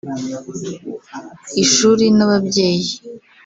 Ishuri n’ababyeyi